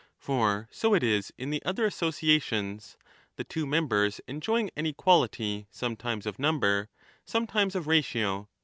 For so it is in the other associations, the two members enjoying an equality sometimes of number, some times of ratio.